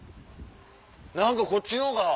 何かこっちのほうが。